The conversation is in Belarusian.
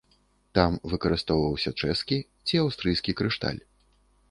Там выкарыстоўваўся чэшскі ці аўстрыйскі крышталь.